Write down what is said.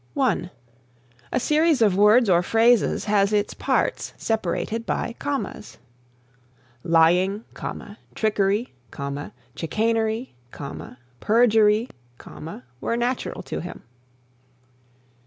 (1) A series of words or phrases has its parts separated by commas: "Lying, trickery, chicanery, perjury, were natural to him."